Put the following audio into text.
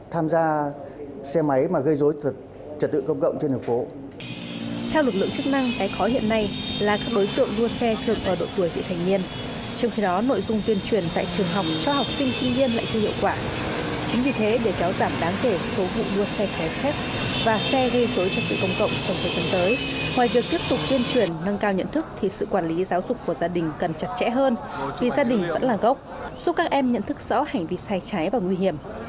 trước tục tuyên truyền nâng cao nhận thức thì sự quản lý giáo dục của gia đình cần chặt chẽ hơn vì gia đình vẫn là gốc giúp các em nhận thức rõ hành vi sai trái và nguy hiểm